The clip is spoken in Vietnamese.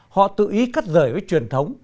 họ tự ý cắt rời với truyền thống